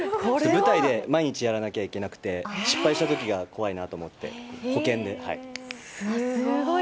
舞台で毎日やらなきゃいけなくて、失敗したときが怖いなと思すごい！